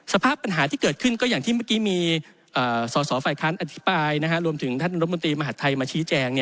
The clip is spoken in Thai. สภาพปัญหาที่เกิดขึ้นก็อย่างที่เมื่อกี้มีสฝคอธิปรายรวมถึงท่านตรวจบุญตรีมหาธัยมาชี้แจง